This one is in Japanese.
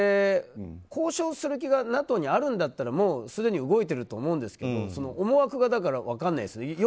交渉する気がＮＡＴＯにあるんだったらもうすでに動いていると思うんですけど思惑が分からないですよね。